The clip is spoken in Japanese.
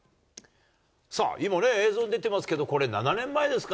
さあ、今ね、映像に出てますけど、これ、７年前ですか。